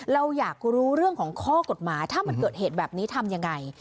เราอยากรู้เรื่องของข้อกฎหมายถ้ามันเกิดเหตุแบบนี้ทำยังไง